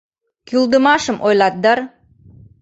— Кӱлдымашым ойлат дыр?